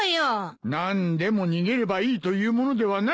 何でも逃げればいいというものではない。